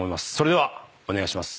ではお願いします。